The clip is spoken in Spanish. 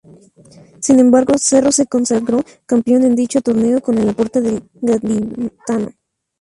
Sin embargo, Cerro se consagró campeón en dicho torneo con el aporte del gaditano.